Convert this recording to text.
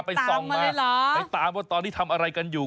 ไปตามว่าตอนที่ทำอะไรกันอยู่